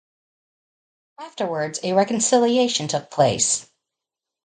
Afterwards a reconciliation took place.